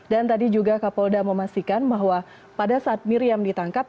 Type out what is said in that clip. dan tadi juga kapolda memastikan bahwa pada saat miriam ditangkap